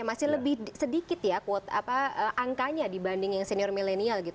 masih lebih sedikit ya angkanya dibanding yang senior milenial gitu